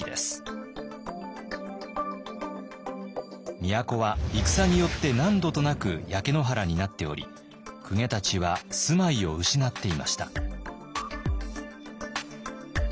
都は戦によって何度となく焼け野原になっており公家たちは住まいを失っていました。